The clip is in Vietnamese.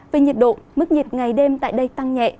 về nhiệt độ mức nhiệt ngày đêm tại đây tăng nhẹ